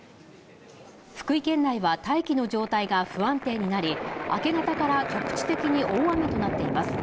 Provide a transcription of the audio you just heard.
福井県内は大気の状態が不安定になり、明け方から局地的に大雨となっています。